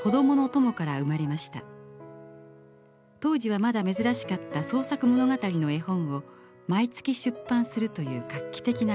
当時はまだ珍しかった創作物語の絵本を毎月出版するという画期的な試み。